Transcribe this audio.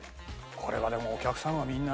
これはでもお客さんはみんな。